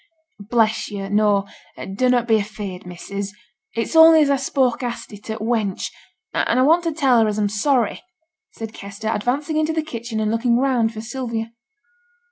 'Bless yo', no, dunnot be afeared, missus; it's only as a spoke hasty to t' wench, an' a want t' tell her as a'm sorry,' said Kester, advancing into the kitchen, and looking round for Sylvia.